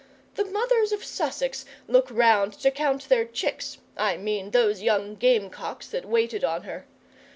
The mothers of Sussex look round to count their chicks I mean those young gamecocks that waited on her.